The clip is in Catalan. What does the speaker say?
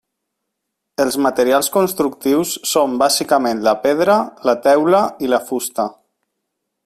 Els materials constructius són bàsicament la pedra, la teula i la fusta.